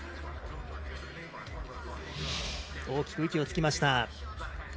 大きく息をつきました。